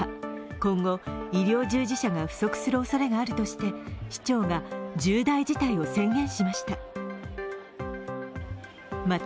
今後、医療従事者が不足するおそれがあるとして市長が重大事態を宣言しました。